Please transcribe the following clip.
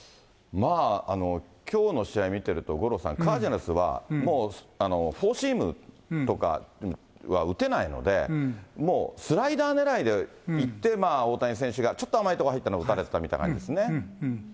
きょうの試合見てると、五郎さん、カージナルスは、もうフォーシームとかは打てないので、スライダー狙いでいって、大谷選手が、ちょっと甘い所に入ったのを打たれてたみたいな感じですね。